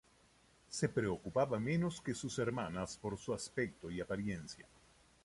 Se preocupaba menos que sus hermanas por su aspecto y apariencia.